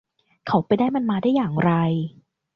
เขาไปได้มันมาได้อย่างไร